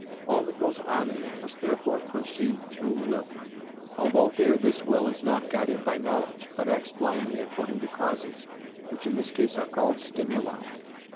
All that goes on in it must therefore proceed through will, although here this will is not guided by knowledge, but acts blindly according to causes, which in this case are called stimuli.